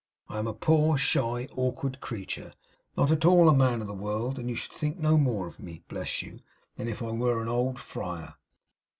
I am a poor, shy, awkward creature; not at all a man of the world; and you should think no more of me, bless you, than if I were an old friar!